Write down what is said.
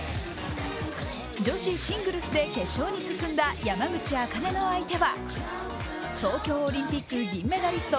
女子シングルスで決勝に進んだ山口茜の相手は東京オリンピック銀メダリスト